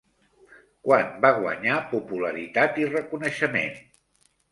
Quan va guanyar popularitat i reconeixement?